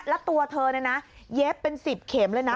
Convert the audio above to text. แล้วตัวเธอเนี่ยนะเย็บเป็น๑๐เข็มเลยนะ